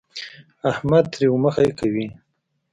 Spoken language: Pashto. احمد تريو مخی کوي.